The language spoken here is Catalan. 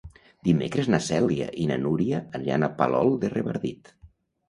Dimecres na Cèlia i na Núria aniran a Palol de Revardit.